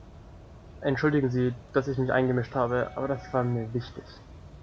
Entschuldigen Sie, dass ich mich eingemischt habe, aber das war mir wichtig.